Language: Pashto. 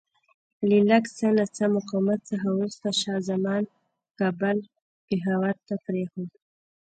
له لږ څه ناڅه مقاومت څخه وروسته شاه زمان کابل پېښور ته پرېښود.